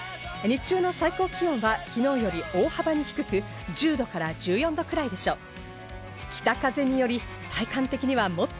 日中の最高気温はきのうより大幅に低く、１０度から１４度くらいでしょう。